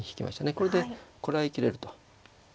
これでこらえきれると。